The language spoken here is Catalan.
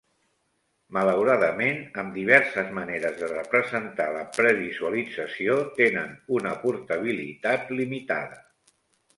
Malauradament, amb diverses maneres de representar la previsualització, tenen una portabilitat limitada.